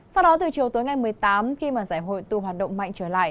sau đó từ chiều tối ngày một mươi tám khi mà giải hội tù hoạt động mạnh trở lại